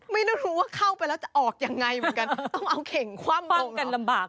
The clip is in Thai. ไม่รู้ว่าเข้าไปแล้วจะออกยังไงเหมือนกันต้องเอาเข่งคว่ำลงกันลำบาก